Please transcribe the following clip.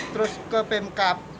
terus ke pemkap